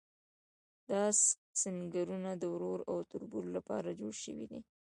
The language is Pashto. دا سنګرونه د ورور او تربور لپاره جوړ شوي دي.